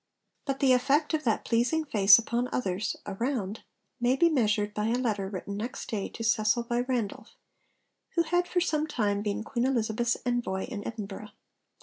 But the effect of that pleasing face upon others around may be measured by a letter written next day to Cecil by Randolph, who had for some time been Queen Elizabeth's envoy in Edinburgh.